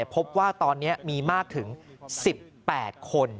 พบว่าตอนนี้มีมากถึง๑๘คน